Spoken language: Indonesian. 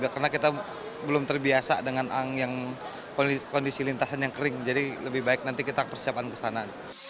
karena kita belum terbiasa dengan kondisi lintasan yang kering jadi lebih baik nanti kita persiapan ke sana